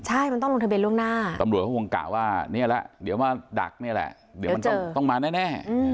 ใช่มันต้องลงทะเบียล่วงหน้าตำรวจเขาคงกะว่านี่แหละเดี๋ยวมาดักนี่แหละเดี๋ยวมันต้องมาแน่